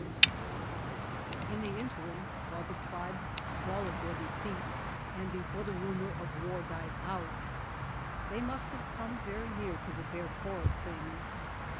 163 THE BASKET MAKER In the interim, while the tribes swallowed their defeat, and before the rumor of war died out, they must have come very near to the bare core of things.